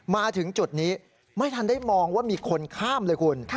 มาถึงจุดนี้ไม่ทันได้มองว่ามีคนข้ามเลยคุณ